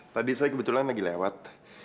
tadi saya kebetulan lagi lewat